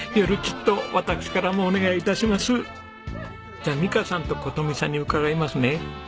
じゃあ美香さんと琴美さんに伺いますね。